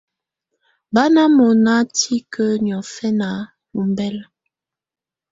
Bà nà mɔ̀na tikǝ́ niɔ̀fɛna ɔmbɛla.